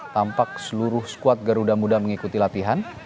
tampak seluruh squad garuda muda mengikuti